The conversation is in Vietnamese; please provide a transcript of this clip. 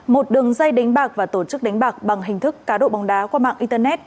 một đường dây đánh bạc và tổ chức đánh bạc bằng hình thức cá độ bóng đá qua mạng internet